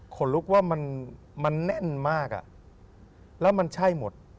คนลุกว่ามันแน่นมากอ่ะแล้วมันใช่หมด